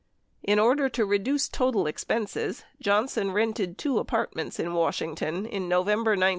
914 In order to reduce total expenses, Johnson rented two apartments in Washington in November 1971.